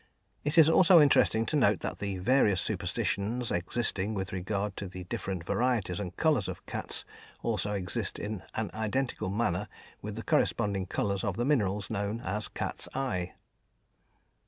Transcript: It is also interesting to note that the various superstitions existing with regard to the different varieties and colours of cats also exist in an identical manner with the corresponding colours of the minerals known as "cat's eye."